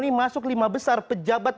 ini masuk lima besar pejabat